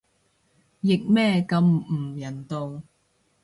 譯咩咁唔人道